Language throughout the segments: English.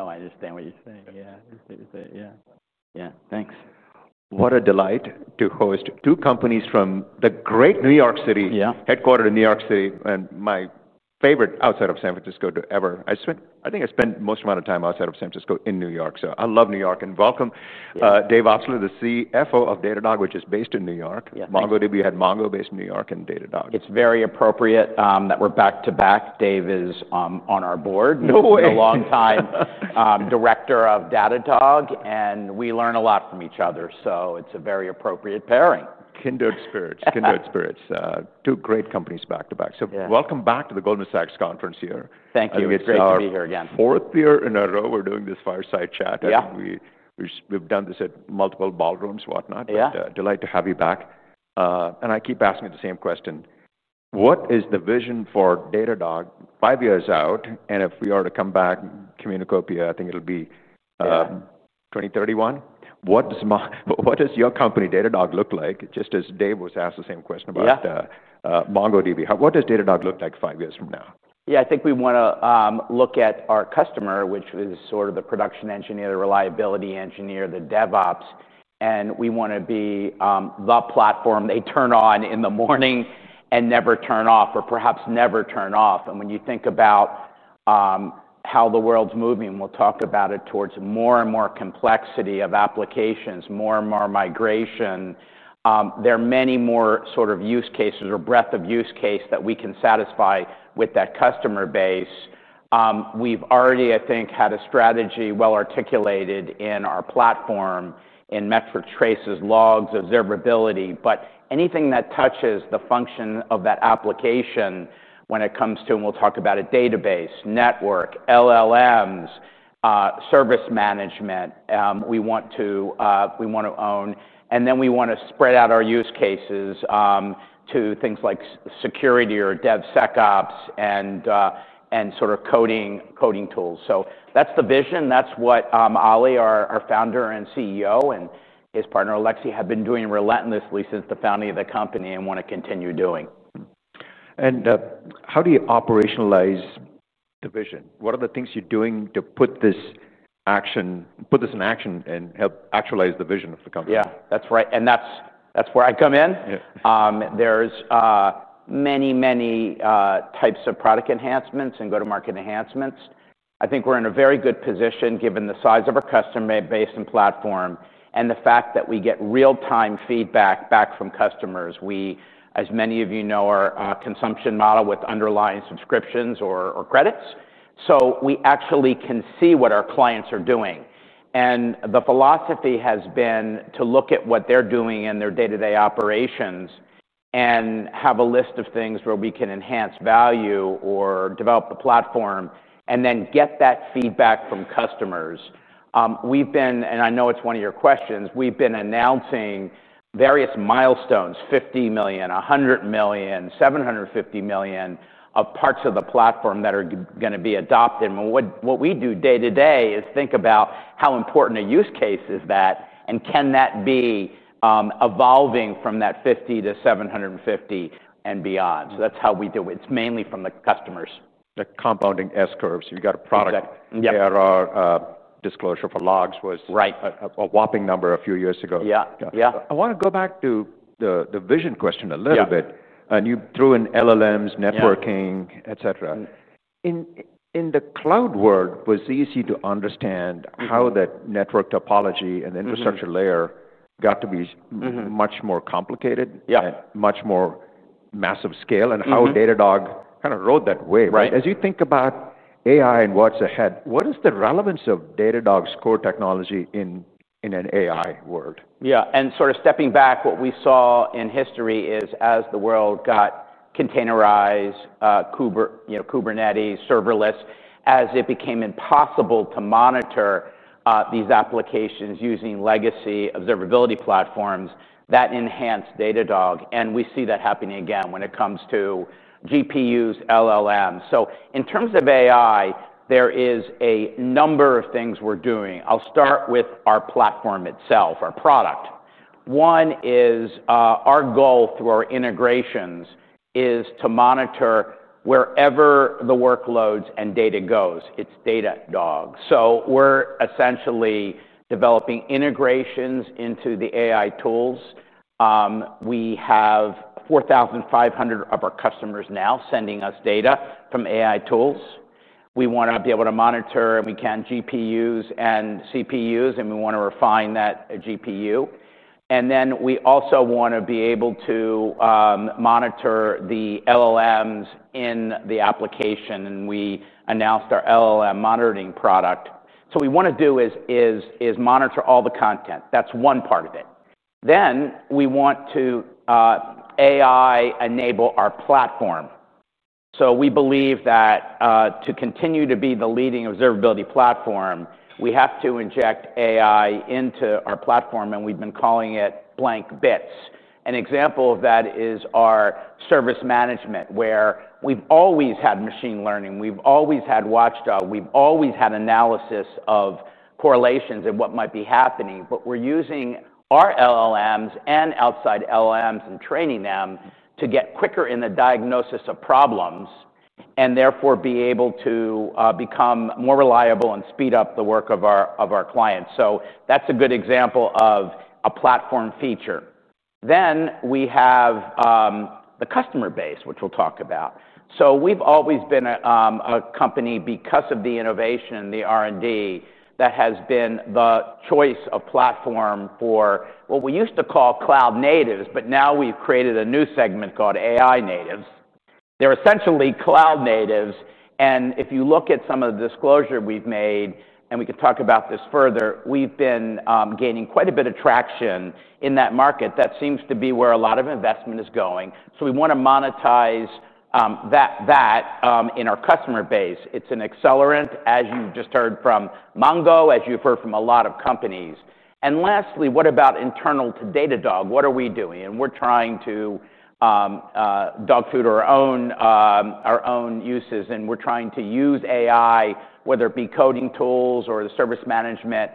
I understand what you're saying. Yeah, I understand what you're saying. Yeah, thanks. What a delight to host two companies from the great New York City. Yeah. Headquartered in New York City, and my favorite outside of San Francisco ever. I think I spent most of my time outside of San Francisco in New York. I love New York and welcome David Obstler, the CFO of Datadog, which is based in New York. MongoDB had Mongo based in New York City and Datadog. It's very appropriate that we're back to back. Dave is on our board. No way. A long time, Director of Datadog, and we learn a lot from each other. It's a very appropriate pairing. Kindred spirits. Kindred spirits. Two great companies back to back. Welcome back to the Goldman Sachs conference here. Thank you. It's great to be here again. Fourth year in a row we're doing this fireside chat. Yeah. I think we've done this at multiple ballrooms, whatnot. Yeah. A delight to have you back. I keep asking you the same question. What is the vision for Datadog five years out? If we are to come back, Communicopia, I think it'll be 2031. What does your company, Datadog, look like? Just as Dave was asked the same question about MongoDB, what does Datadog look like five years from now? Yeah, I think we want to look at our customer, which is sort of the production engineer, the reliability engineer, the DevOps. We want to be the platform they turn on in the morning and never turn off or perhaps never turn off. When you think about how the world's moving, we'll talk about it towards more and more complexity of applications, more and more migration. There are many more sort of use cases or breadth of use case that we can satisfy with that customer base. We've already, I think, had a strategy well articulated in our platform in metrics, traces, logs, observability, but anything that touches the function of that application when it comes to, and we'll talk about a database, network, LLMs, service management, we want to own. We want to spread out our use cases to things like security or DevSecOps and sort of coding tools. That's the vision. That's what Olivier, our Founder and CEO, and his partner, Alexis, have been doing relentlessly since the founding of the company and want to continue doing. How do you operationalize the vision? What are the things you're doing to put this in action and help actualize the vision of the company? Yeah, that's right. That's where I come in. There are many, many types of product enhancements and go-to-market enhancements. I think we're in a very good position given the size of our customer base and platform and the fact that we get real-time feedback from customers. We, as many of you know, are a consumption-based model with underlying subscriptions or credits. We actually can see what our clients are doing. The philosophy has been to look at what they're doing in their day-to-day operations and have a list of things where we can enhance value or develop the platform and then get that feedback from customers. We've been, and I know it's one of your questions, announcing various milestones, $50 million, $100 million, $750 million of parts of the platform that are going to be adopted. What we do day to day is think about how important a use case is and can that be evolving from that $50 million to $750 million and beyond. That's how we do it. It's mainly from the customers. The compounding S curve. You have got a product. There are disclosures for logs. A whopping number a few years ago. Yeah. Yeah. I want to go back to the vision question a little bit. You threw in LLMs, networking, et cetera. In the cloud world, it was easy to understand how that network topology and the infrastructure layer got to be much more complicated. Yeah. was much more massive scale and how Datadog kind of rode that wave. Right. As you think about AI and what's ahead, what is the relevance of Datadog's core technology in an AI world? Yeah, and sort of stepping back, what we saw in history is as the world got containerized, Kubernetes, serverless, as it became impossible to monitor these applications using legacy observability platforms, that enhanced Datadog. We see that happening again when it comes to GPUs, LLMs. In terms of AI, there are a number of things we're doing. I'll start with our platform itself, our product. One is our goal through our integrations is to monitor wherever the workloads and data goes. It's Datadog. We're essentially developing integrations into the AI tools. We have 4,500 of our customers now sending us data from AI tools. We want to be able to monitor, and we can, GPUs and CPUs, and we want to refine that GPU. We also want to be able to monitor the LLMs in the application, and we announced our LLM monitoring product. What we want to do is monitor all the content. That's one part of it. We want to AI-enable our platform. We believe that to continue to be the leading observability platform, we have to inject AI into our platform, and we've been calling it blank bits. An example of that is our service management, where we've always had machine learning, we've always had Watchdog, we've always had analysis of correlations and what might be happening. We're using our LLMs and outside LLMs and training them to get quicker in the diagnosis of problems and therefore be able to become more reliable and speed up the work of our clients. That's a good example of a platform feature. We have the customer base, which we'll talk about. We've always been a company, because of the innovation, the R&D, that has been the choice of platform for what we used to call cloud natives, but now we've created a new segment called AI natives. They're essentially cloud natives. If you look at some of the disclosure we've made, and we could talk about this further, we've been gaining quite a bit of traction in that market. That seems to be where a lot of investment is going. We want to monetize that in our customer base. It's an accelerant, as you just heard from Mongo, as you've heard from a lot of companies. Lastly, what about internal to Datadog? What are we doing? We're trying to dog food our own uses, and we're trying to use AI, whether it be coding tools or the service management,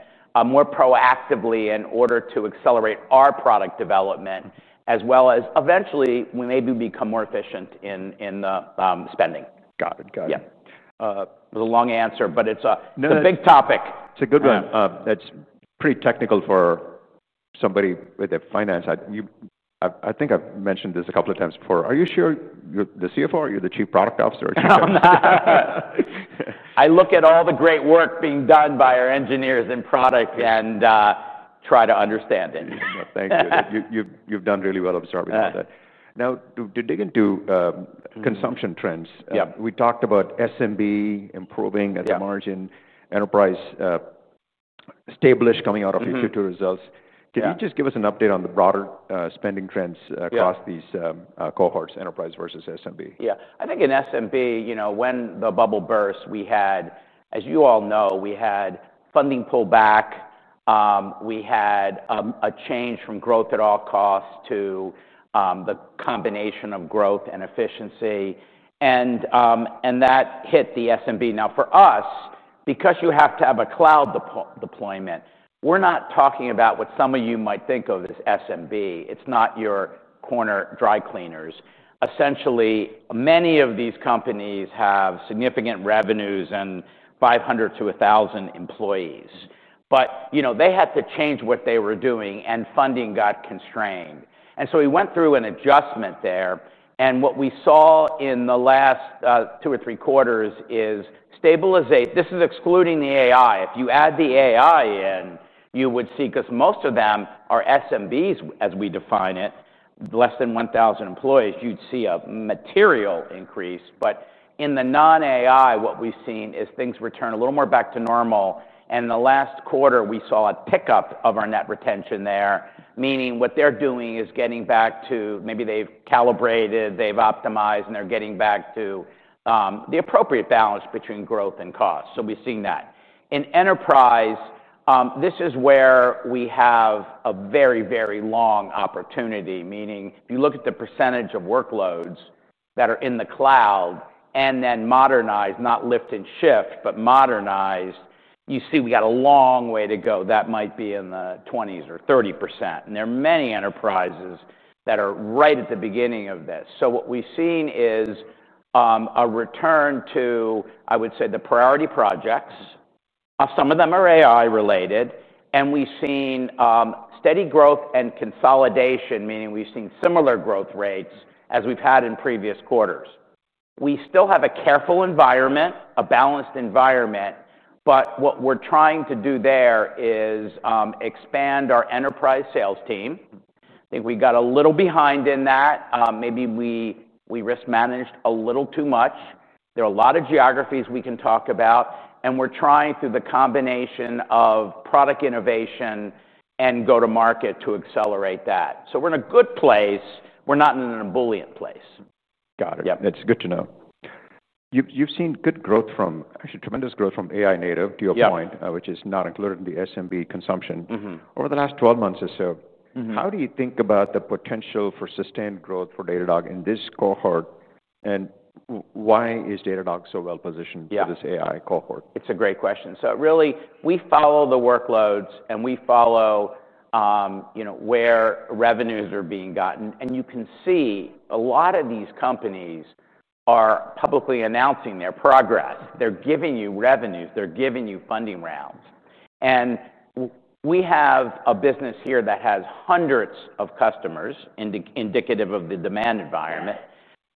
more proactively in order to accelerate our product development, as well as eventually we maybe become more efficient in the spending. Got it. Got it. Yeah, it was a long answer, but it's a big topic. It's a good one. That's pretty technical for somebody with a finance background. I think I've mentioned this a couple of times before. Are you sure you're the CFO or you're the Chief Product Officer? I'm not. I look at all the great work being done by our engineers and product, and try to understand it. Thank you. You've done really well observing that. Now, to dig into consumption trends. Yeah. We talked about SMB improving at the margin, enterprise established coming out of Q2 results. Can you just give us an update on the broader spending trends across these cohorts, enterprise versus SMB? Yeah. I think in SMB, when the bubble burst, as you all know, we had funding pullback. We had a change from growth at all costs to the combination of growth and efficiency. That hit the SMB. Now for us, because you have to have a cloud deployment, we're not talking about what some of you might think of as SMB. It's not your corner dry cleaners. Essentially, many of these companies have significant revenues and 500 to 1,000 employees. They had to change what they were doing and funding got constrained. We went through an adjustment there. What we saw in the last two or three quarters is stabilization. This is excluding the AI. If you add the AI in, you would see, because most of them are SMBs, as we define it, less than 1,000 employees, you'd see a material increase. In the non-AI, what we've seen is things return a little more back to normal. In the last quarter, we saw a pickup of our net retention there, meaning what they're doing is getting back to, maybe they've calibrated, they've optimized, and they're getting back to the appropriate balance between growth and cost. We've seen that. In enterprise, this is where we have a very, very long opportunity, meaning if you look at the percentage of workloads that are in the cloud and then modernized, not lift and shift, but modernized, you see we got a long way to go. That might be in the 20% or 30%. There are many enterprises that are right at the beginning of this. What we've seen is a return to, I would say, the priority projects. Some of them are AI related. We've seen steady growth and consolidation, meaning we've seen similar growth rates as we've had in previous quarters. We still have a careful environment, a balanced environment. What we're trying to do there is expand our enterprise sales team. I think we got a little behind in that. Maybe we risk managed a little too much. There are a lot of geographies we can talk about. We're trying through the combination of product innovation and go-to-market to accelerate that. We're in a good place. We're not in an ebullient place. Got it. Yeah. That's good to know. You've seen good growth from, actually tremendous growth from AI native to your point, which is not included in the SMB consumption. Over the last 12 months or so, how do you think about the potential for sustained growth for Datadog in this cohort? Why is Datadog so well positioned for this AI cohort? Yeah, it's a great question. We follow the workloads and we follow where revenues are being gotten. You can see a lot of these companies are publicly announcing their progress. They're giving you revenues. They're giving you funding rounds. We have a business here that has hundreds of customers, indicative of the demand environment.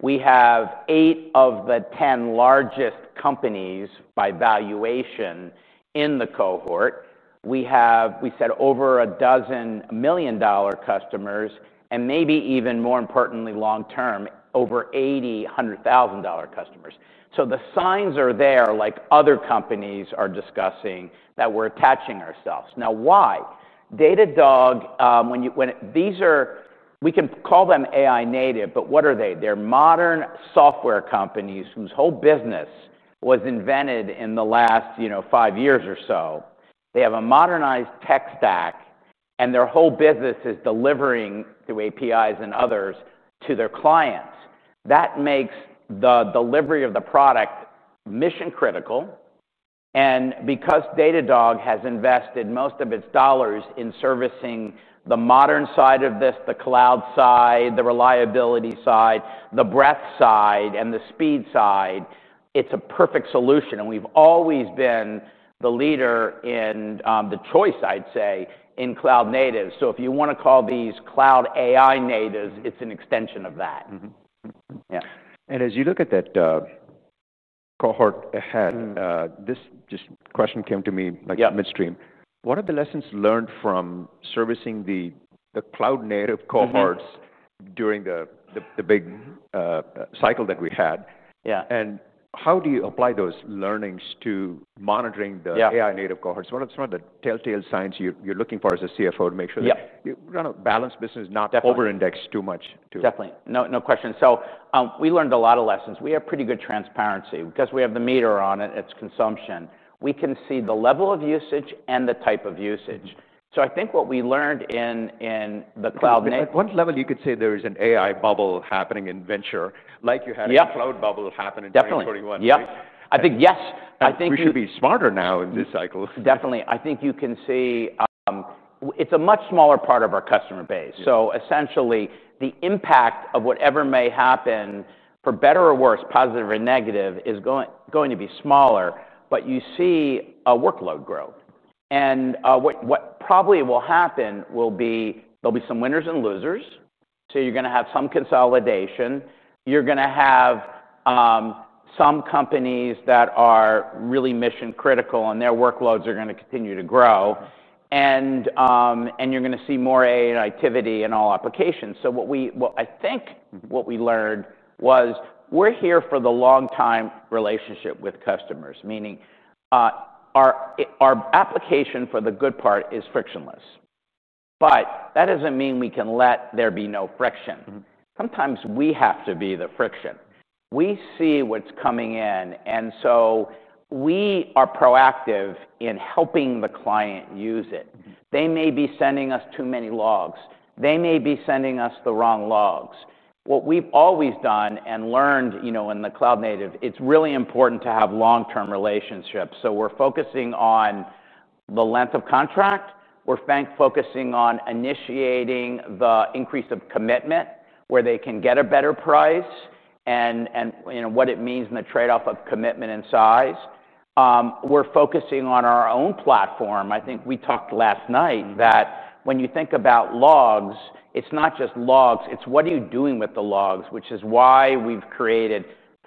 We have eight of the 10 largest companies by valuation in the cohort. We have, we said, over a dozen $1 million customers and maybe even more importantly, long term, over 80 $100,000 customers. The signs are there, like other companies are discussing that we're attaching ourselves. Now, why? Datadog, when you, when these are, we can call them AI native, but what are they? They're modern software companies whose whole business was invented in the last five years or so. They have a modernized tech stack and their whole business is delivering through APIs and others to their clients. That makes the delivery of the product mission critical. Because Datadog has invested most of its dollars in servicing the modern side of this, the cloud side, the reliability side, the breadth side, and the speed side, it's a perfect solution. We've always been the leader in the choice, I'd say, in cloud natives. If you want to call these cloud AI natives, it's an extension of that. Mm-hmm. Yeah. As you look at that cohort ahead, this question came to me midstream. Yeah. What are the lessons learned from servicing the cloud native cohorts during the big cycle that we had? Yeah. How do you apply those learnings to monitoring the AI native cohorts? Yeah. What are some of the telltale signs you're looking for as a CFO to make sure that you run a balanced business, not over-index too much? Definitely. No question. We learned a lot of lessons. We have pretty good transparency because we have the meter on it, its consumption. We can see the level of usage and the type of usage. I think what we learned in the cloud native. At one level, you could say there is an AI bubble happening in venture, like you had a cloud bubble happening in 2021. Yeah. I think yes. We should be smarter now in this cycle. Definitely. I think you can see it's a much smaller part of our customer base. Essentially, the impact of whatever may happen, for better or worse, positive or negative, is going to be smaller. You see a workload growth. What probably will happen will be, there'll be some winners and losers. You're going to have some consolidation. You're going to have some companies that are really mission critical and their workloads are going to continue to grow. You're going to see more AI activity in all applications. What we learned was we're here for the long-time relationship with customers, meaning our application for the good part is frictionless. That doesn't mean we can let there be no friction. Sometimes we have to be the friction. We see what's coming in. We are proactive in helping the client use it. They may be sending us too many logs. They may be sending us the wrong logs. What we've always done and learned, in the cloud native, it's really important to have long-term relationships. We're focusing on the length of contract. We're focusing on initiating the increase of commitment where they can get a better price and what it means in the trade-off of commitment and size. We're focusing on our own platform. I think we talked last night that when you think about logs, it's not just logs. It's what are you doing with the logs, which is why we've created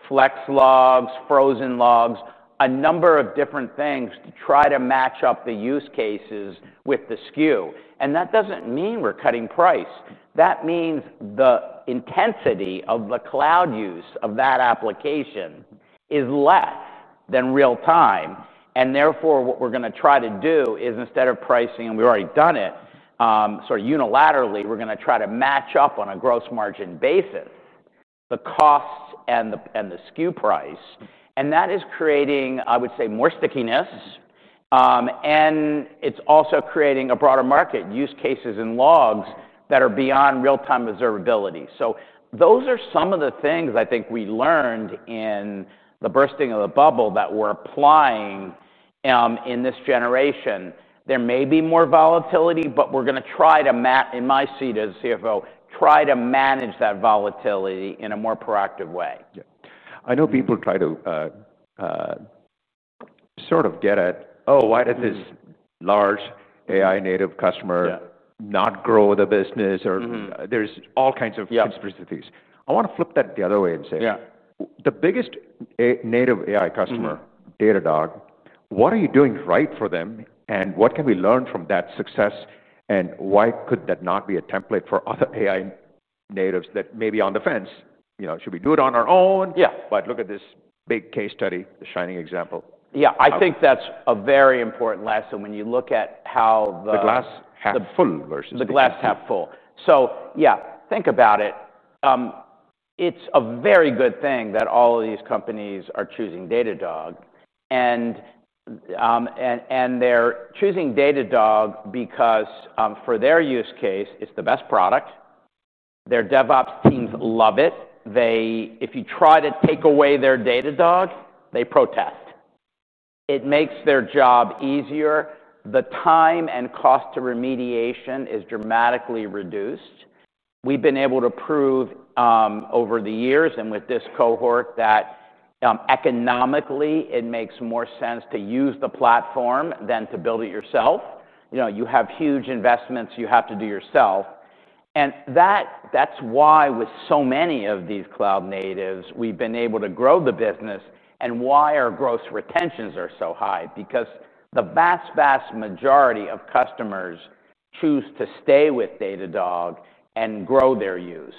flex logs, frozen logs, a number of different things to try to match up the use cases with the SKU. That doesn't mean we're cutting price. That means the intensity of the cloud use of that application is less than real time. Therefore, what we're going to try to do is instead of pricing, and we've already done it, sort of unilaterally, we're going to try to match up on a gross margin basis the costs and the SKU price. That is creating, I would say, more stickiness. It's also creating a broader market use cases and logs that are beyond real-time observability. Those are some of the things I think we learned in the bursting of the bubble that we're applying in this generation. There may be more volatility, but we're going to try to, in my seat as a CFO, try to manage that volatility in a more proactive way. Yeah, I know people try to sort of get at, oh, why did this large AI native customer not grow the business? Mm-hmm. There are all kinds of conspiracies. I want to flip that the other way and say. Yeah. The biggest AI native customer, Datadog, what are you doing right for them? What can we learn from that success? Why could that not be a template for other AI natives that may be on the fence? You know, should we do it on our own? Yeah. Look at this big case study, the shining example. Yeah, I think that's a very important lesson when you look at how the. The glass half full versus. The glass half full. Think about it. It's a very good thing that all of these companies are choosing Datadog. They're choosing Datadog because for their use case, it's the best product. Their DevOps teams love it. If you try to take away their Datadog, they protest. It makes their job easier. The time and cost to remediation is dramatically reduced. We've been able to prove over the years and with this cohort that economically, it makes more sense to use the platform than to build it yourself. You have huge investments you have to do yourself. That's why with so many of these cloud natives, we've been able to grow the business and why our gross retentions are so high. The vast, vast majority of customers choose to stay with Datadog and grow their use.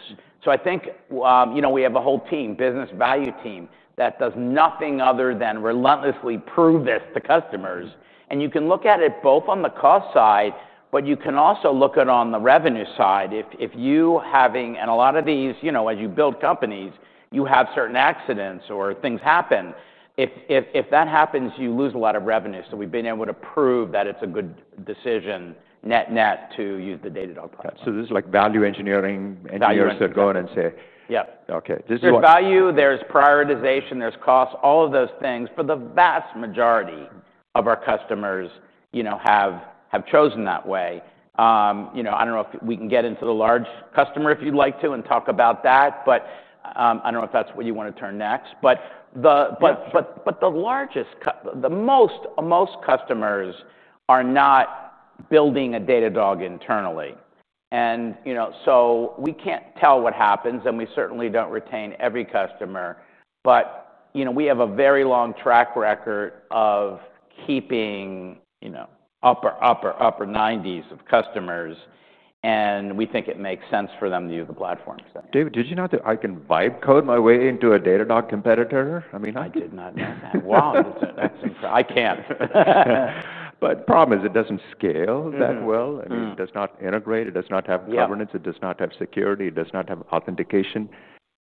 I think we have a whole team, business value team, that does nothing other than relentlessly prove this to customers. You can look at it both on the cost side, but you can also look at it on the revenue side. Having, and a lot of these, as you build companies, you have certain accidents or things happen. If that happens, you lose a lot of revenue. We've been able to prove that it's a good decision, net-net, to use the Datadog platform. This is like value engineering, engineers that go in and say. Yep. Okay. This is what. There's value, there's prioritization, there's cost, all of those things. The vast majority of our customers have chosen that way. I don't know if we can get into the large customer if you'd like to and talk about that. I don't know if that's where you want to turn next. The largest, the most customers are not building a Datadog internally. We can't tell what happens. We certainly don't retain every customer. We have a very long track record of keeping upper 90% of customers. We think it makes sense for them to use the platform. David, did you know that I can vibe code my way into a Datadog competitor? I mean, I did not know that. Wow. I can't, the problem is it doesn't scale that well. I mean, it does not integrate. It does not have governance. It does not have security. It does not have authentication.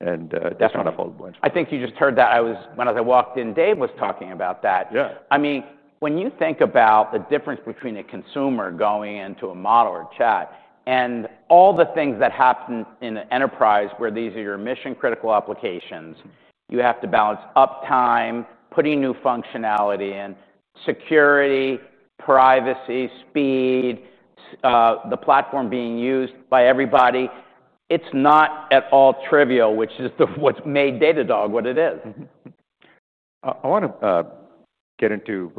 Definitely. It is not a foldable. I think you just heard that. When I walked in, Dave was talking about that. Yeah. When you think about the difference between a consumer going into a model or chat and all the things that happen in the enterprise where these are your mission-critical applications, you have to balance uptime, putting new functionality in, security, privacy, speed, the platform being used by everybody. It's not at all trivial, which is what's made Datadog what it is. I want to get into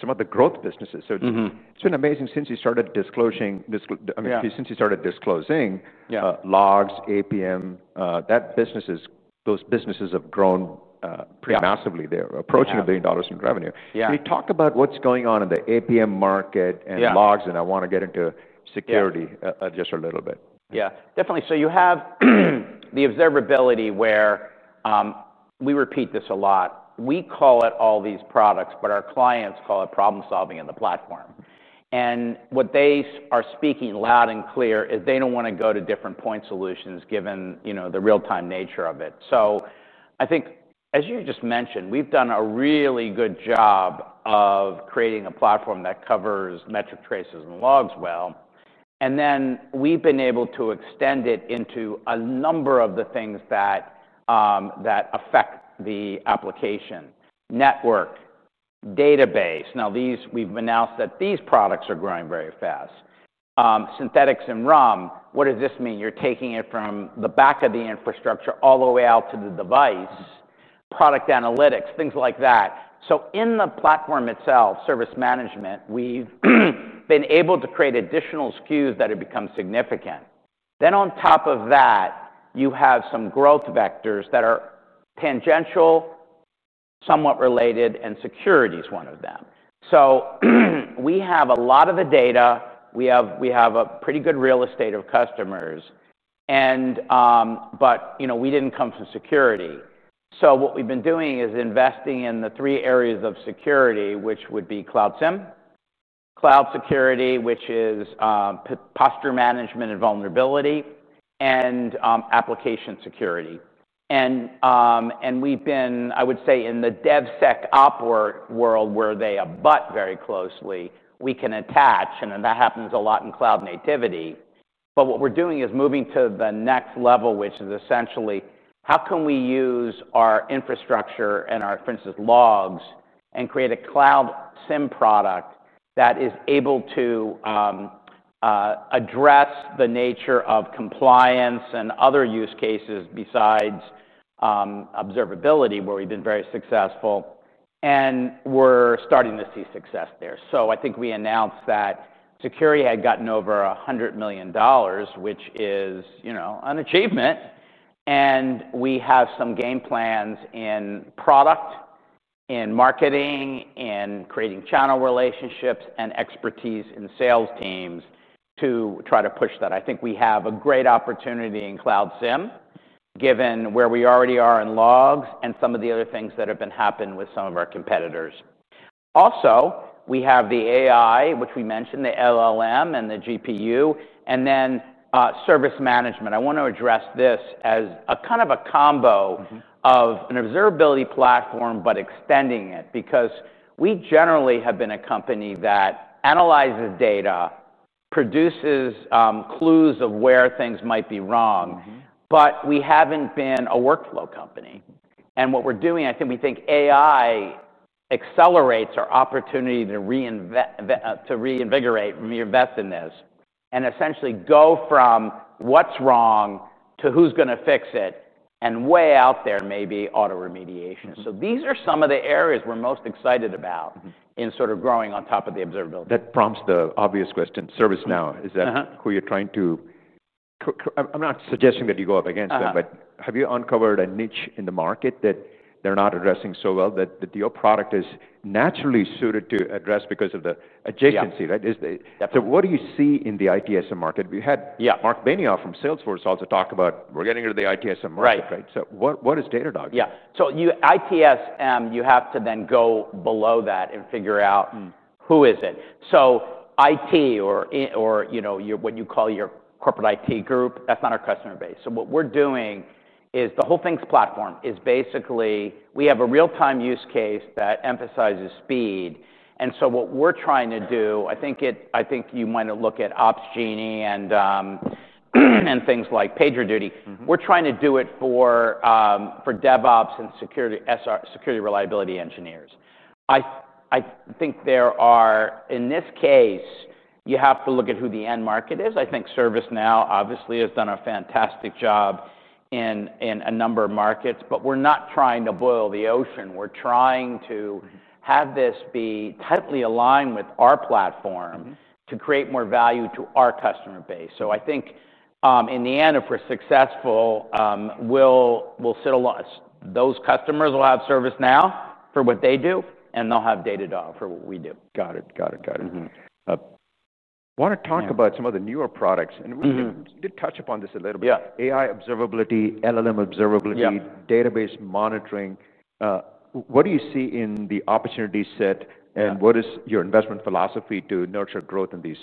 some of the growth businesses. Mm-hmm. It's been amazing since you started disclosing. Yeah. Logs, APM, those businesses have grown pretty massively. Yeah. They're approaching $1 billion in revenue. Yeah. Can you talk about what's going on in the APM market and logs? Yeah. I want to get into security just a little bit. Yeah, definitely. You have the observability where we repeat this a lot. We call it all these products, but our clients call it problem solving in the platform. What they are speaking loud and clear is they don't want to go to different point solutions given, you know, the real-time nature of it. I think, as you just mentioned, we've done a really good job of creating a platform that covers metrics, traces, and logs well. We've been able to extend it into a number of the things that affect the application, network, database. Now, we've announced that these products are growing very fast. Synthetics and RUM, what does this mean? You're taking it from the back of the infrastructure all the way out to the device, product analytics, things like that. In the platform itself, service management, we've been able to create additional SKUs that have become significant. On top of that, you have some growth vectors that are tangential, somewhat related, and security is one of them. We have a lot of the data. We have a pretty good real estate of customers. We didn't come from security. What we've been doing is investing in the three areas of security, which would be cloud SIEM, cloud security, which is posture management and vulnerability, and application security. I would say, in the DevSecOps world where they abut very closely, we can attach, and that happens a lot in cloud nativity. What we're doing is moving to the next level, which is essentially, how can we use our infrastructure and our, for instance, logs and create a cloud SIEM product that is able to address the nature of compliance and other use cases besides observability, where we've been very successful. We're starting to see success there. I think we announced that security had gotten over $100 million, which is, you know, an achievement. We have some game plans in product, in marketing, in creating channel relationships, and expertise in sales teams to try to push that. I think we have a great opportunity in cloud SIEM, given where we already are in logs and some of the other things that have been happening with some of our competitors. Also, we have the AI, which we mentioned, the LLM and the GPU, and then service management. I want to address this as a kind of a combo of an observability platform, but extending it, because we generally have been a company that analyzes data, produces clues of where things might be wrong. We haven't been a workflow company. What we're doing, I think we think AI accelerates our opportunity to reinvigorate, reinvest in this, and essentially go from what's wrong to who's going to fix it, and way out there may be auto-remediation. These are some of the areas we're most excited about in sort of growing on top of the observability. That prompts the obvious question, service management. Uh-huh. Is that who you're trying to, I'm not suggesting that you go up against them. Have you uncovered a niche in the market that they're not addressing so well that your product is naturally suited to address because of the adjacency, right? Yeah. What do you see in the ITSM market? Yeah. We had Marc Benioff from Salesforce also talk about we're getting into the ITSM market, right? Yeah. What is Datadog? Yeah. You have to then go below that and figure out who is it. IT or, you know, when you call your corporate IT group, that's not our customer base. What we're doing is the whole thing's platform is basically, we have a real-time use case that emphasizes speed. What we're trying to do, I think you might have looked at Opsgenie and things like PagerDuty. Mm-hmm. We're trying to do it for DevOps and security reliability engineers. I think there are, in this case, you have to look at who the end market is. I think ServiceNow obviously has done a fantastic job in a number of markets, but we're not trying to boil the ocean. We're trying to have this be tightly aligned with our platform to create more value to our customer base. I think in the end, if we're successful, we'll sit alone. Those customers will have ServiceNow for what they do, and they'll have Datadog for what we do. Got it. Got it. Got it. Mm-hmm. I want to talk about some of the newer products. Mm-hmm. We did touch upon this a little bit. Yeah. AI observability, LLM monitoring. Yeah. Database monitoring. What do you see in the opportunity set, and what is your investment philosophy to nurture growth in these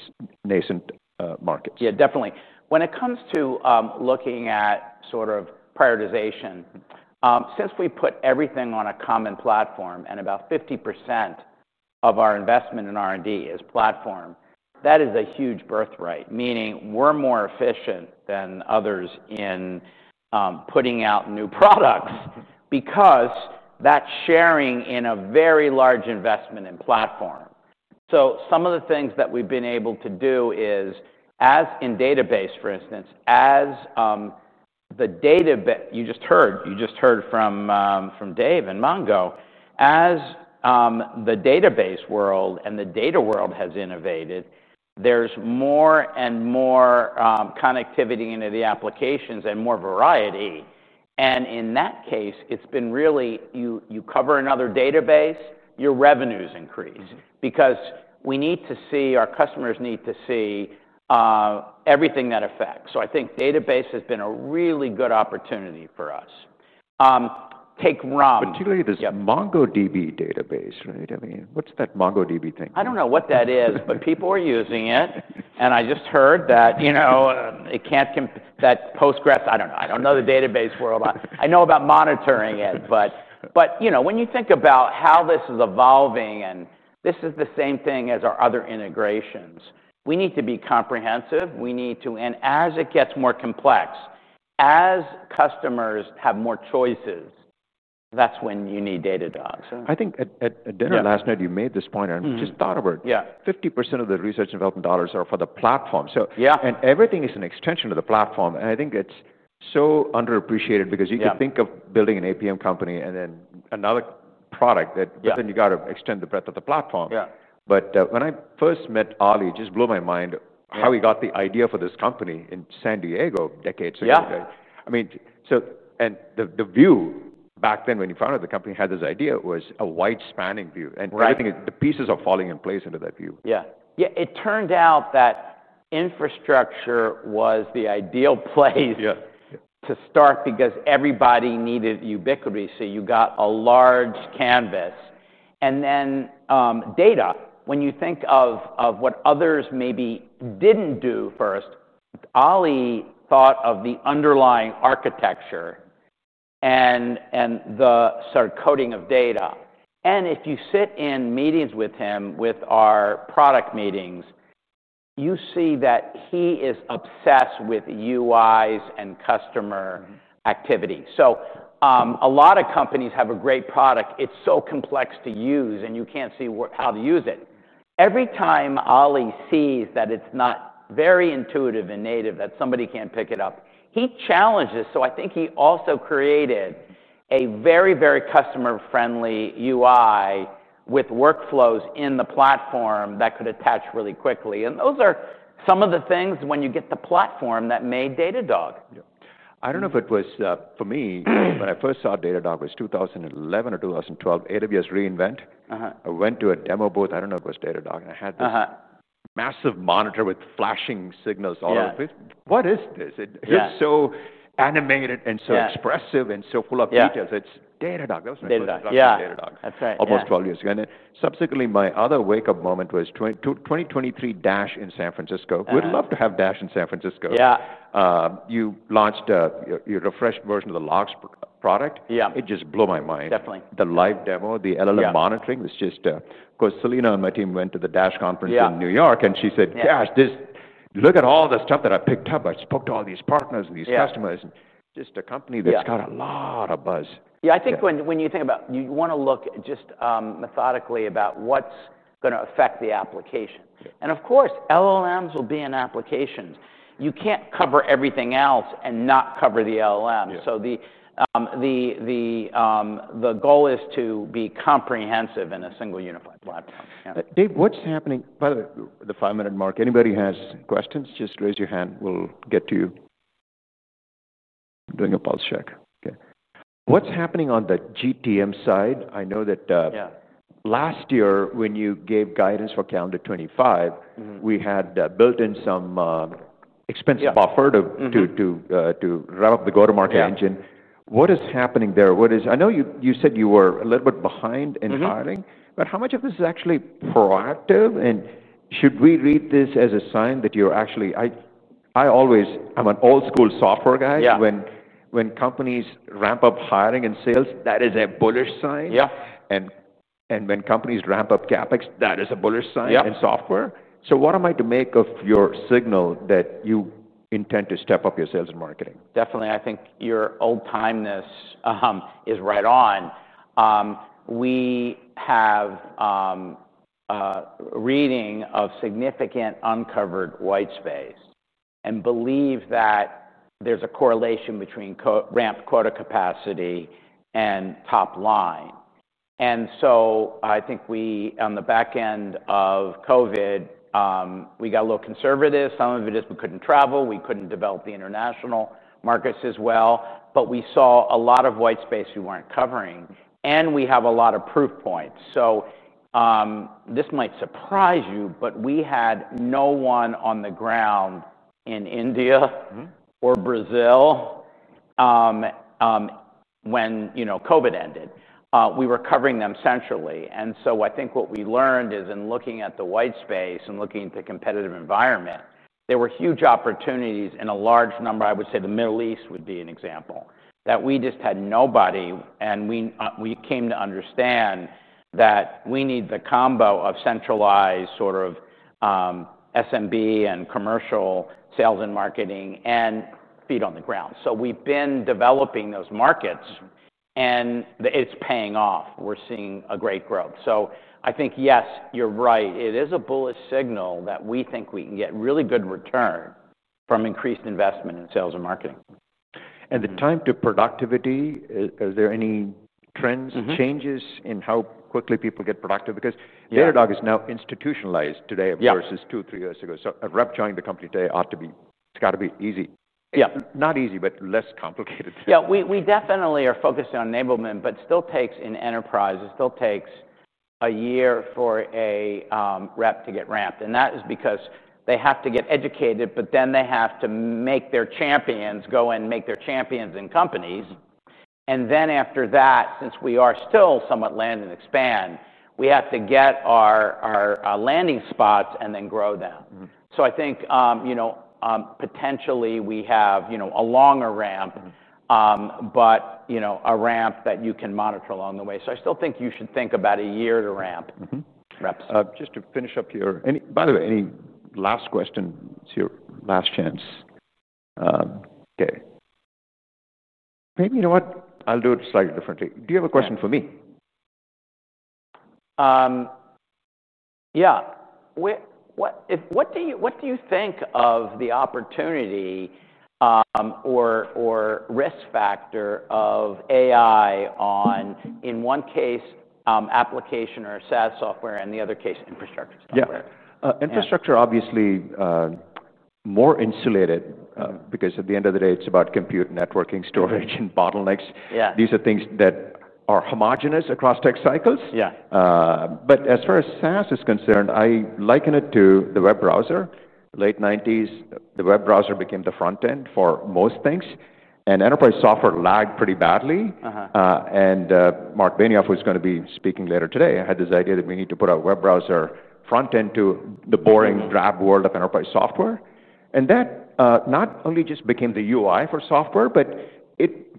nascent markets? Yeah, definitely. When it comes to looking at sort of prioritization, since we put everything on a common platform and about 50% of our investment in R&D is platform, that is a huge birthright, meaning we're more efficient than others in putting out new products because that's sharing in a very large investment in platform. Some of the things that we've been able to do is, as in database, for instance, as the database, you just heard, you just heard from Dave and Mongo, as the database world and the data world has innovated, there's more and more connectivity into the applications and more variety. In that case, it's been really, you cover another database, your revenues increase. Mm-hmm. Because we need to see, our customers need to see everything that affects. I think database has been a really good opportunity for us. Take RAM. Particularly this MongoDB database, right? I mean, what's that MongoDB thing? I don't know what that is, but people are using it. I just heard that, you know, it can't compare, that Postgres, I don't know. I don't know the database world. I know about monitoring it, but, you know, when you think about how this is evolving and this is the same thing as our other integrations, we need to be comprehensive. As it gets more complex, as customers have more choices, that's when you need Datadog. I think at dinner last night, you made this point. Mm-hmm. I just thought of it. Yeah. 50% of the research and development dollars are for the platform. Yeah. Everything is an extension of the platform. It's so underappreciated because you can think of building an APM company and then another product that then you got to extend the breadth of the platform. Yeah. When I first met Ali, it just blew my mind how he got the idea for this company in San Diego decades ago. Yeah. I mean, the view back then when you founded the company, had this idea, was a wide spanning view. Right. I think the pieces are falling in place under that view. Yeah, it turned out that infrastructure was the ideal place. Yeah. To start because everybody needed ubiquity, you got a large canvas. Then, when you think of what others maybe didn't do first, Ali thought of the underlying architecture and the sort of coding of data. If you sit in meetings with him, with our product meetings, you see that he is obsessed with UIs and customer activity. A lot of companies have a great product, but it's so complex to use, and you can't see how to use it. Every time Ali sees that it's not very intuitive and native, that somebody can't pick it up, he challenges. I think he also created a very, very customer-friendly UI with workflows in the platform that could attach really quickly. Those are some of the things when you get the platform that made Datadog. I don't know if it was for me, when I first saw Datadog, it was 2011 or 2012, AWS re:Invent. Uh-huh. I went to a demo booth. I don't know if it was Datadog. Uh-huh. I had a massive monitor with flashing signals all over the place. Yeah. What is this? It's so animated, so expressive, and so full of details. It's Datadog. Datadog. That was my first product, Datadog. Yeah, that's right. Almost 12 years ago. Subsequently, my other wake-up moment was 2023 Dash in San Francisco. Mm-hmm. We'd love to have Dash in San Francisco. Yeah. You launched a refreshed version of the logs product. Yeah. It just blew my mind. Definitely. The live demo, the LLM monitoring is just, of course, Selena and my team went to the Dash conference in New York City. Yeah. She said, "Dash, look at all the stuff that I picked up. I spoke to all these partners and these customers. Yeah. Just a company that's got a lot of buzz. I think when you think about it, you want to look just methodically at what's going to affect the application. Of course, LLMs will be in applications. You can't cover everything else and not cover the LLM. The goal is to be comprehensive in a single unified platform. Yeah. Dave, what's happening? By the way, at the five-minute mark, if anybody has questions, just raise your hand. We'll get to you. Doing a pulse check. Okay. What's happening on the GTM side? I know that. Yeah. Last year, when you gave guidance for Calendar 2025, we had built in some expense buffer to wrap up the go-to-market engine. Yeah. What is happening there? What is, I know you said you were a little bit behind in hiring, but how much of this is actually proactive? Should we read this as a sign that you're actually, I always, I'm an old-school software guy. Yeah. When companies ramp up hiring and sales, that is a bullish sign. Yeah. When companies ramp up CapEx, that is a bullish sign. Yeah. In software, what am I to make of your signal that you intend to step up your sales and marketing? Definitely, I think your old-timeness is right on. We have a reading of significant uncovered white space and believe that there's a correlation between ramped quota capacity and top line. I think we, on the back end of COVID, got a little conservative. Some of it is we couldn't travel. We couldn't develop the international markets as well. We saw a lot of white space we weren't covering. We have a lot of proof points. This might surprise you, but we had no one on the ground in India. Mm-hmm. Brazil when, you know, COVID ended. We were covering them centrally. I think what we learned is in looking at the white space and looking at the competitive environment, there were huge opportunities in a large number. I would say the Middle East would be an example that we just had nobody. We came to understand that we need the combo of centralized sort of SMB and commercial sales and marketing and feet on the ground. We've been developing those markets, and it's paying off. We're seeing great growth. I think, yes, you're right. It is a bullish signal that we think we can get really good return from increased investment in sales and marketing. Is there any trends in the time to productivity? Mm-hmm. Changes in how quickly people get productive? Yeah. Because Datadog is now institutionalized today. Yeah. Versus two, three years ago, a rep joining the company today ought to be, it's got to be easy. Yeah. Not easy, but less complicated. Yeah, we definitely are focusing on enablement, but it still takes an enterprise, it still takes a year for a rep to get ramped. That is because they have to get educated, but then they have to make their champions, go and make their champions in companies. After that, since we are still somewhat land and expand, we have to get our landing spots and then grow them. I think, you know, potentially we have a longer ramp, but a ramp that you can monitor along the way. I still think you should think about a year to ramp reps. Just to finish up here, any last question? It's your last chance. Okay. Maybe, you know what, I'll do it slightly differently. Do you have a question for me? Yeah. What do you think of the opportunity or risk factor of AI on, in one case, application or SaaS software, and in the other case, infrastructure software? Yeah. Infrastructure obviously more insulated because at the end of the day, it's about compute, networking, storage, and bottlenecks. Yeah. These are things that are homogeneous across tech cycles. Yeah. As far as SaaS is concerned, I liken it to the web browser. In the late 1990s, the web browser became the front end for most things. Enterprise software lagged pretty badly. Uh-huh. Mark Benioff, who's going to be speaking later today, had this idea that we need to put our web browser front end to the boring, drab world of enterprise software. That not only just became the UI for software, but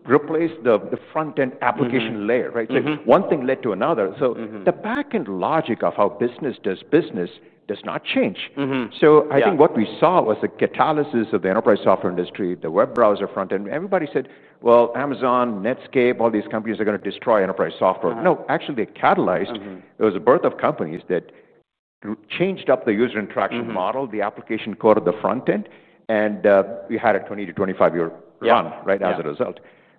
it replaced the front end application layer, right? Mm-hmm. One thing led to another. Mm-hmm. The back end logic of how business does business does not change. Mm-hmm. I think what we saw was a catalysis of the enterprise software industry, the web browser front end. Everybody said, Amazon, Netscape, all these companies are going to destroy enterprise software. Mm-hmm. No, actually they catalyzed. Mm-hmm. It was the birth of companies that changed up the user interaction model, the application code of the front end, and we had a 20 to 25-year run right now as a result.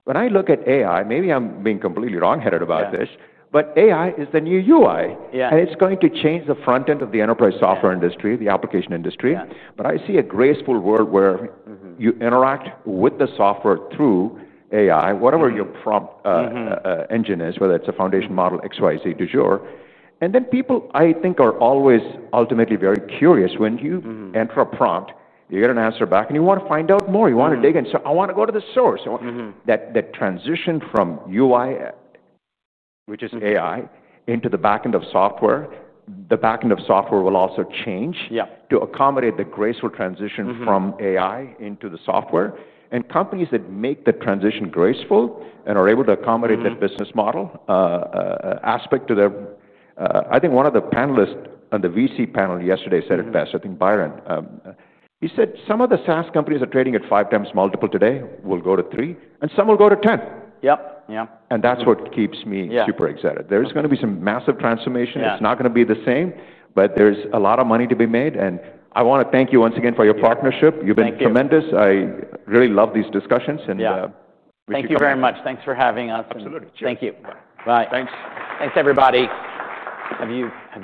When I look at AI, maybe I'm being completely wrongheaded about this. Yeah. AI is the new UI. Yeah. It is going to change the front end of the enterprise software industry, the application industry. Yeah. I see a graceful world where you interact with the software through AI, whatever your prompt engine is, whether it's a foundation model, X, Y, Z, du jour. People, I think, are always ultimately very curious. Mm-hmm. When you enter a prompt, you get an answer back, and you want to find out more. You want to dig in. I want to go to the source. Mm-hmm. That transition from UI. Which is AI. Into the back end of software, the back end of software will also change. Yeah. To accommodate the graceful transition from AI into the software, companies that make the transition graceful and are able to accommodate that business model aspect to them, I think one of the panelists on the VC panel yesterday said it best. Mm-hmm. I think Byron, he said some of the SaaS companies are trading at 5x multiple today, will go to 3x, and some will go to 10x. Yep. Yeah. That is what keeps me super excited. There is going to be some massive transformation. Yeah. It's not going to be the same, but there's a lot of money to be made. I want to thank you once again for your partnership. Thank you. You've been tremendous. I really love these discussions. Yeah. Thank you very much. Thanks for having us. Absolutely. Thank you. Bye. Thanks. Thanks, everybody. Have you had?